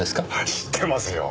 知ってますよ。